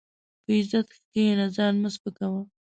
په عزت کښېنه، ځان مه سپکاوه.